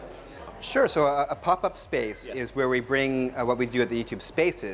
tentu saja pop up space adalah tempat kita membawa apa yang kita lakukan di youtube space